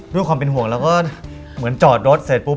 ด้วยความเป็นห่วงแล้วก็เหมือนจอดรถเสร็จปุ๊บ